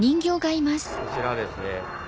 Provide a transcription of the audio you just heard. こちらはですね